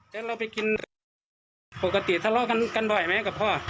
แล้วเราไปกินปกติทะเลาะกันกันบ่อยไหมกับพ่อ